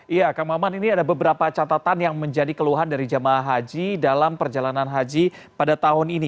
iya kang maman ini ada beberapa catatan yang menjadi keluhan dari jemaah haji dalam perjalanan haji pada tahun ini